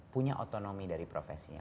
punya otonomi dari profesinya